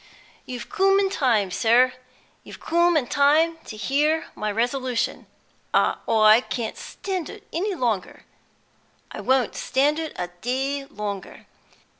you've come in time, sir; you've come in time to hear my resolution. I can't stand ut any longer; I won't stand ut a day longer!